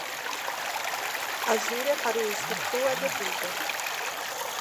A gíria para o uísque cru é bebida.